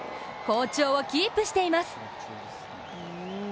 好調をキープしています。